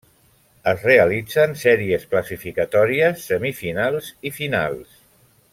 Es realitzen sèries classificatòries, semifinals i finals.